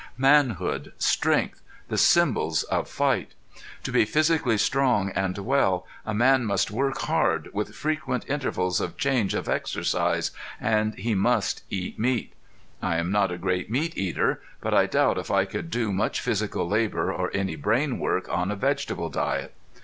Manhood, strength the symbols of fight! To be physically strong and well a man must work hard, with frequent intervals of change of exercise, and he must eat meat. I am not a great meat eater, but I doubt if I could do much physical labor or any brain work on a vegetable diet.